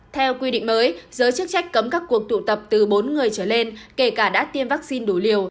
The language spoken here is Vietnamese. theo quy định mới giới chức trách cấm các cuộc tụ tập từ bốn người trở lên kể cả đã tiêm vaccine đủ liều